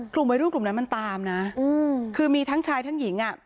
กลุ่มวัยรุ่นกลุ่มนั้นมันตามนะคือมีทั้งชายทั้งหญิงอ่ะ